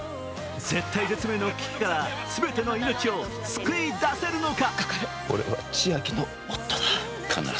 絶体絶命の危機から全ての命を救い出せるのか。